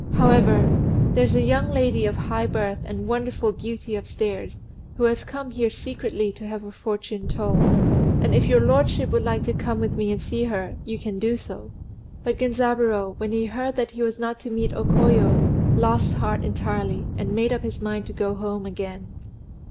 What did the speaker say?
However, there's a young lady of high birth and wonderful beauty upstairs, who has come here secretly to have her fortune told; and if your lordship would like to come with me and see her, you can do so." But Genzaburô, when he heard that he was not to meet O Koyo, lost heart entirely, and made up his mind to go home again.